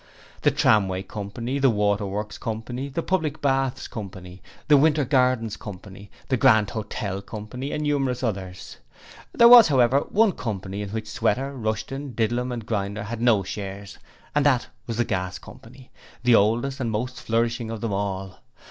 The Tramway Company, the Water Works Company, the Public Baths Company, the Winter Gardens Company, the Grand Hotel Company and numerous others. There was, however, one Company in which Sweater, Rushton, Didlum and Grinder had no shares, and that was the Gas Company, the oldest and most flourishing of them all.